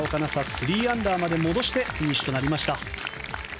３アンダーまで戻してフィニッシュとなりました。